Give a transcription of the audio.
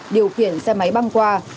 điều khiển xe máy băng qua